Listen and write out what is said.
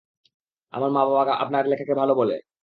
আমার মা-বাবা আপনার লেখাকে ভালো বলে।